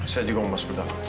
saya juga mau masuk ke dalam